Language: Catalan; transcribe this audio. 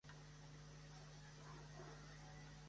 Eduardo Lorente és un nedador nascut a Barcelona.